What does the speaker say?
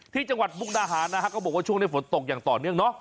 ที่จังหวัดมุกนาหารเขาบอกว่าช่วงในฝนตกอย่างต่อเนื่อง